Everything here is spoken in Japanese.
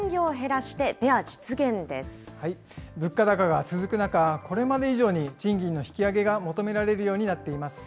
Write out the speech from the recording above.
けさは、物価高が続く中、これまで以上に賃金の引き上げが求められるようになっています。